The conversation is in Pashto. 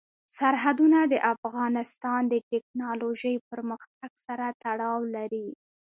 سرحدونه د افغانستان د تکنالوژۍ پرمختګ سره تړاو لري.